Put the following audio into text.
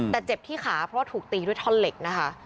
แต่เจ็บที่ขาเพราะว่าถูกตีด้วยท่อนเหล็กนะคะ